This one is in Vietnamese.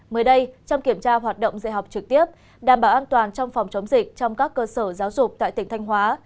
mới đây trong kiểm tra hoạt động dạy học trực tiếp đảm bảo an toàn trong phòng chống dịch trong các cơ sở giáo dục tại tỉnh thanh hóa